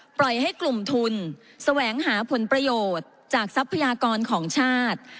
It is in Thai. ปล่อยให้กลุ่มทุนแสวงหาผลประโยชน์จากทรัพยากรของชาติ